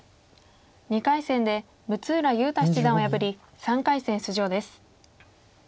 ２回戦で六浦雄太七段を破り３回戦出場です。